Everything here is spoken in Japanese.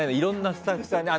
スタッフさんに。